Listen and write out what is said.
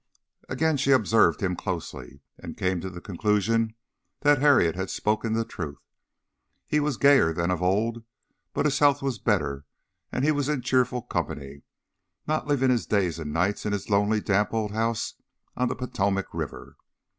Again she observed him closely, and came to the conclusion that Harriet had spoken the truth. He was gayer than of old, but his health was better and he was in cheerful company, not living his days and nights in his lonely damp old house on the Potomac River.